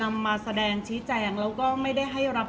เพราะว่าสิ่งเหล่านี้มันเป็นสิ่งที่ไม่มีพยาน